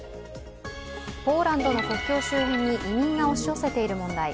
ポーランドの国境周辺に移民が押し寄せている問題。